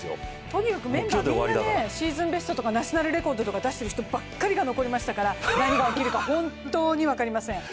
とにかくメンバー、みんなシーズンベストとかナショナルレコードを出してる人ばっかりが残りましたから何が起きるか本当に分かりません。